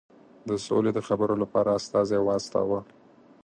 د سولي د خبرو لپاره استازی واستاوه.